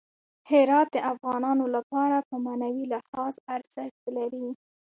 هرات د افغانانو لپاره په معنوي لحاظ ارزښت لري.